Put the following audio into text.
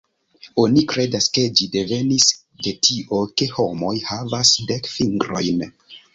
Oni kredas, ke ĝi devenis de tio ke homoj havas dek fingrojn.